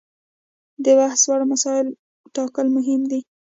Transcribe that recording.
د بحث وړ مسایلو ټاکل مهم دي.